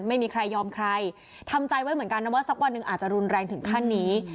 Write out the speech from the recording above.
ไม่มีใครยอมใครทำใจไว้เหมือนกันนะว่าสักวันหนึ่งอาจจะรุนแรงถึงขั้นนี้